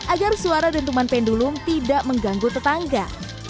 agar suara dentuman pendulum tidak mengganggu tetangga